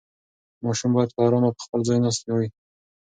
ماشوم باید په ارامه په خپل ځای ناست وای.